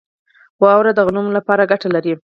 واوره د غنمو لپاره ګټه لري.